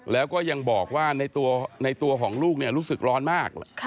แล้วก็ยังบอกว่าในตัวของลูกรู้สึกร้อนมาก